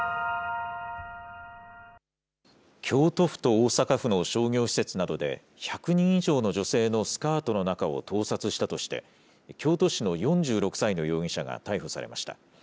京都府と大阪府の商業施設などで１００人以上の女性のスカートの中を盗撮したとして、京都市の４６歳の容疑者が逮捕されました。